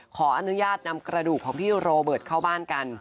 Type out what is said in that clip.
ขออนุญาตนำกระดูกของพี่โรเบิร์ตเข้าบ้านกัน